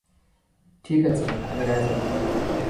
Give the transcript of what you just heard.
ঠিক আছে, আমি রাজি।